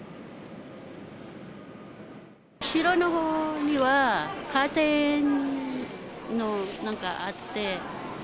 後ろのほうにはカーテンのなんかあって。